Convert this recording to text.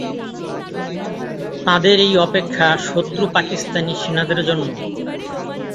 তাঁদের এই অপেক্ষা শত্রু পাকিস্তানি সেনাদের জন্য।